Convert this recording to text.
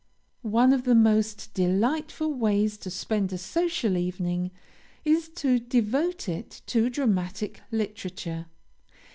One of the most delightful ways to spend a social evening, is to devote it to dramatic literature.